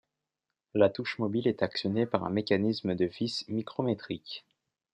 La touche mobile est actionnée par un mécanisme de vis micrométrique.